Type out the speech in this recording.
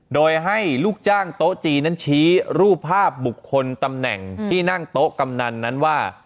โดยให้ลูกจ้างโต๊ะจีนนั้นชี้รูปภาพบุคคลตำแหน่งที่นั่งโต๊ะกำนันนั้นว่า